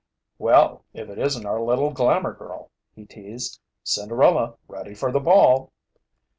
"Well, if it isn't our little glamor girl!" he teased. "Cinderella ready for the ball!"